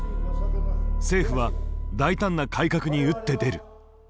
政府は大胆な改革に打って出る。